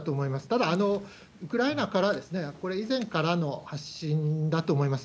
ただ、ウクライナから、これ、以前からの発信なんだと思います。